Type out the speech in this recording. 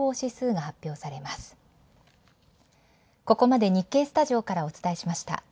ここまで日経スタジオからお伝えしました。